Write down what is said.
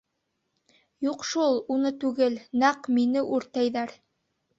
Юҡ шул, уны түгел, нәҡ мине үртәйҙәр!